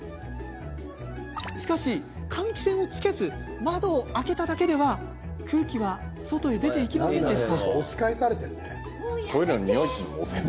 しかし、換気扇をつけず窓を開けただけでは空気は外へ出ていきませんでした。